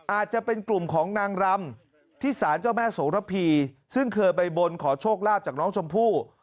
อาจจะเป็นกลุ่มของนางรำที่สารเจ้าแม่โสระพีซึ่งเคยไปบนขอโชคลาภจากน้องชมพู่